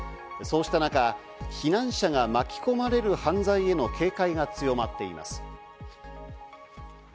そうした中、避難者が巻き込まれる犯罪への警戒が強まっています。